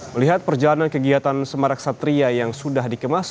melihat perjalanan kegiatan semarak satria yang sudah dikemas